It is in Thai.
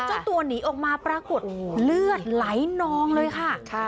เจ้าตัวหนีออกมาปรากฏเลือดไหลนองเลยค่ะ